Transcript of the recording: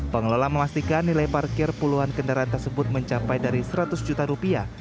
pengelola memastikan nilai parkir puluhan kendaraan tersebut mencapai dari seratus juta rupiah